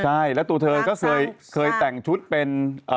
ใช่แล้วตัวเธอก็เคยแต่งชุดเป็น